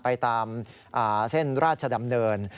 ไปตามเส้นราชดำเนิน